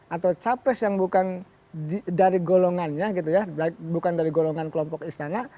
atau capres yang bukan dari golongannya gitu ya bukan dari golongan kelompok istana